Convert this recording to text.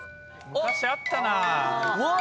昔あったな。